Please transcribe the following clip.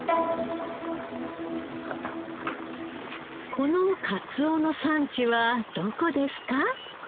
このかつおの産地はどこですか？